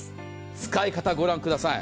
使い方、ご覧ください。